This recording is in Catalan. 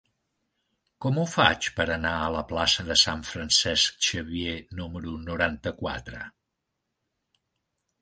Com ho faig per anar a la plaça de Sant Francesc Xavier número noranta-quatre?